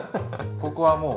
ここはもう。